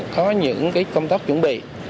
có những công tác chuẩn bị